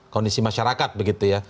kondisi masyarakat begitu ya